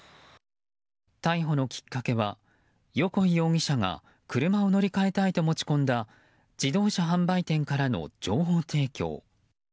逮捕のきっかけは横井容疑者が車を乗り換えたいと持ち込んだ自動車販売店からの情報提供。